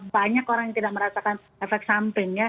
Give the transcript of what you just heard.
banyak orang yang tidak merasakan efek samping ya